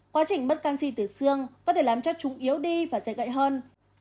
quá trình mất canxi từ xương có thể làm cho chúng yếu đi và dễ gậy hơn